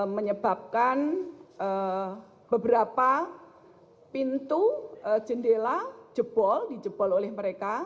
menyebabkan beberapa pintu jendela jebol dijebol oleh mereka